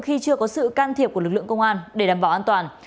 khi chưa có sự can thiệp của lực lượng công an để đảm bảo an toàn